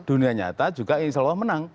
dunia nyata juga insya allah menang